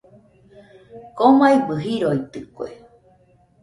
Komaibɨ riroitɨkue.